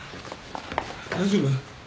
大丈夫？